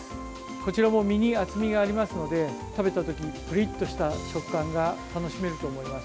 こちらも身に厚みがありますので食べた時にプリッとした食感が楽しめると思います。